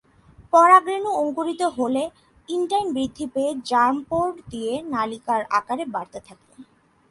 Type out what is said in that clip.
পরাগরেণু অঙ্কুরিত হলে ইন্টাইন বৃদ্ধি পেয়ে জার্মপোর দিয়ে নালিকার আকারে বাড়তে থাকে।